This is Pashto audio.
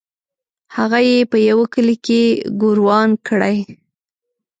هغه یې په یوه کلي کې ګوروان کړی.